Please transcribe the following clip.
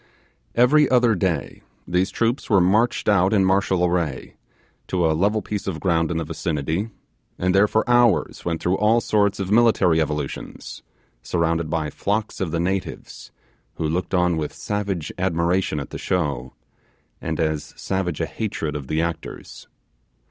Every other day, these troops were marched out in martial array, to a level piece of ground in the vicinity, and there for hours went through all sorts of military evolutions, surrounded by flocks of the natives, who looked on with savage admiration at the show, and as savage a hatred of the actors.